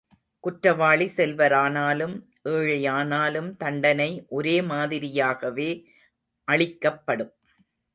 குற்றவாளி செல்வரானாலும், ஏழையானாலும் தண்டனை ஒரே மாதிரியாகவே அளிக்கப்படும்.